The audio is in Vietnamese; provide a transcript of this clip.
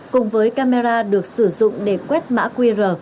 cùng với camera được sử dụng để quét mã qr